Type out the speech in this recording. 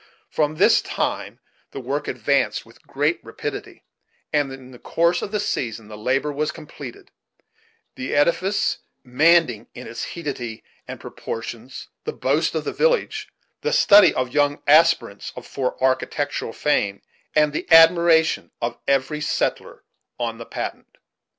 From this time the work advanced with great rapidity, and in the course of the season the Labor was completed; the edifice Manding, in all its beauty and proportions, the boast of the village, the study of young aspirants for architectural fame, and the admiration of every settler on the Patent.